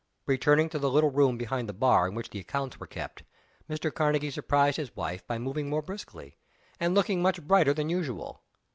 Returning to the little room behind the bar, in which the accounts were kept, Mr. Karnegie surprised his wife by moving more briskly, and looking much brighter than usual.